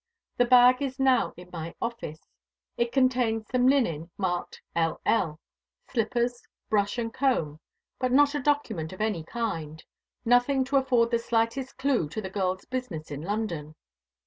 The bag is now in my office. It contains some linen, marked L. L., slippers, brush, and comb; but not a document of any kind. Nothing to afford the slightest clue to the girl's business in London.